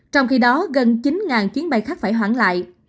trong khi đó gần chín chuyến bay khác phải hoãn lại